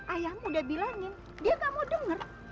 ayahmu udah bilangin dia gak mau denger